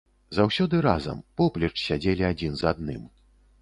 Заўсёды разам, поплеч сядзелі адзін з адным.